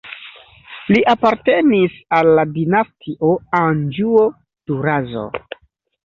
Li apartenis al la dinastio Anĵuo-Durazzo.